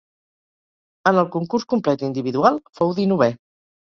En el concurs complet individual fou dinovè.